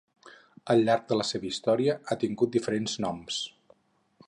Al llarg de la seva història ha tingut diferents noms.